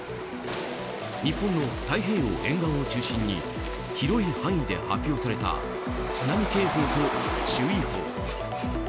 日本の太平洋沿岸を中心に広い範囲で発表された津波警報と注意報。